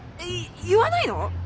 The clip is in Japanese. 言わないの！？